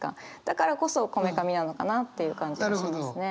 だからこそこめかみなのかなっていう感じはしますね。